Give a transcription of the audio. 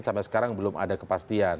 sampai sekarang belum ada kepastian